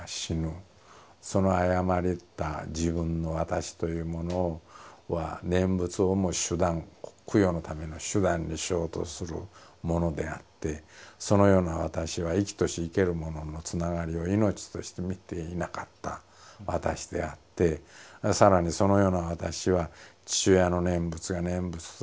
その誤った自分の私というものは念仏をも手段供養のための手段にしようとするものであってそのような私は生きとし生けるもののつながりを命として見ていなかった私であって更にそのような私は父親の念仏が念仏として聞こえなかった私であった。